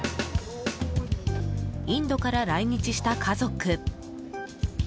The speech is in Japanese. インドから来日した家族。